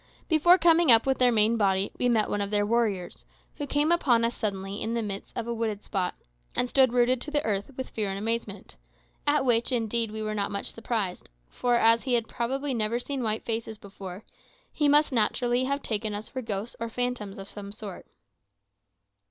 Before coming up with their main body, we met with one of their warriors, who came upon us suddenly in the midst of a wooded spot, and stood rooted to the earth with fear and amazement; at which, indeed, we were not much surprised, for as he had probably never seen white faces before, he must have naturally taken us for ghosts or phantoms of some sort.